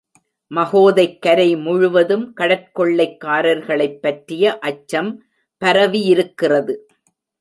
மகோதைக் கரை முழுவதும் கடற்கொள்ளைக்காரர்களைப் பற்றிய அச்சம் பரவியிருக்கிறது.